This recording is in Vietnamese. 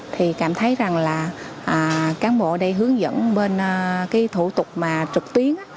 thì cảm thấy rằng là cán bộ ở đây hướng dẫn bên cái thủ tục mà trực tuyến